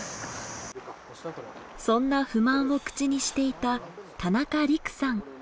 そんな不満を口にしていた田中李玖さん。